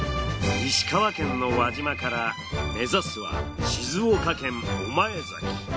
石川県の輪島から目指すは静岡県・御前崎。